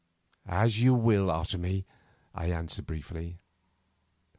"As you will, Otomie," I answered briefly.